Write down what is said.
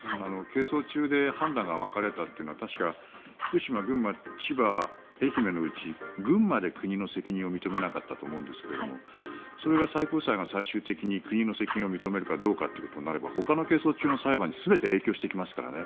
係争中で判断が分かれたというのは確か福島、群馬、千葉、愛媛のうち群馬で国の責任を認めなかったと思うんですがそれが最高裁が最終的に国の責任を認めるかどうかとなればほかの係争中の裁判に全て影響してきますからね。